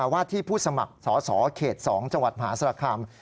ว่าที่ผู้สมัครสอสอเขต๒จังหวัดมหาศาลคาม